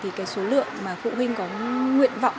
thì cái số lượng mà phụ huynh có nguyện vọng